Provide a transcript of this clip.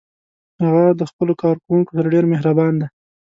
هغه د خپلو کارکوونکو سره ډیر مهربان ده